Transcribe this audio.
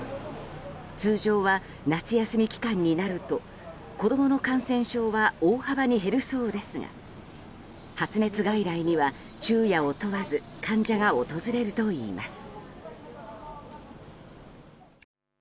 通常は夏休み期間になると子供の感染症は大幅に減るそうですが発熱外来には昼夜を問わず患者が訪れるといいます。